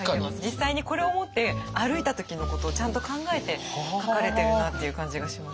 実際にこれを持って歩いた時のことをちゃんと考えて描かれてるなっていう感じがします。